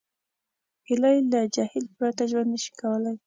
هیلۍ له جهیل پرته ژوند نشي کولی